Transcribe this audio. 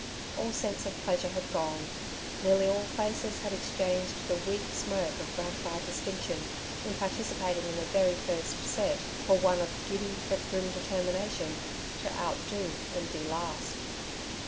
All sense of pleasure had gone; nearly all faces had exchanged the weak smirk of gratified distinction in participating in the very first set for one of giddy but grim determination to outdo and be last.